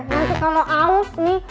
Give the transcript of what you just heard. nanti kalau haus nih